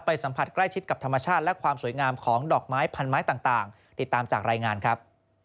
สัมผัสใกล้ชิดกับธรรมชาติและความสวยงามของดอกไม้พันไม้ต่างติดตามจากรายงานครับ